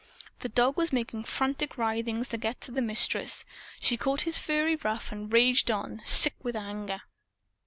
The dog was making frantic writhings to get to the Mistress. She caught his furry ruff and raged on, sick with anger.